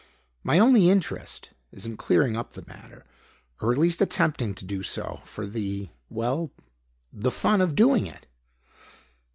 My only interest is in clearing up the matter, or at least attempting to do so, for the well the fun of doing it."